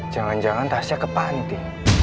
jangan jangan tasnya ke panti